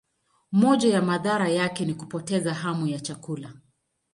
Moja ya madhara yake ni kupoteza hamu ya chakula.